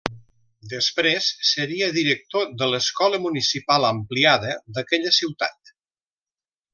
Després seria director de l'Escola Municipal Ampliada d'aquella ciutat.